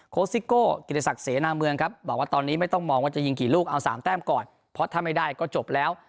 ซิโก้กิติศักดิ์เสนาเมืองครับบอกว่าตอนนี้ไม่ต้องมองว่าจะยิงกี่ลูกเอา๓แต้มก่อนเพราะถ้าไม่ได้ก็จบแล้ว